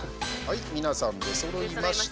皆さん、出そろいました。